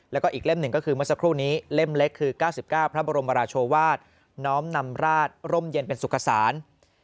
แล้วก็อีกเล่มหนึ่งก็คือเมื่อสักครู่นี้เล่มเล็กคือ๙๙พระบรมราชวาสน้อมนำราชร่มเย็นเป็นสุขศาล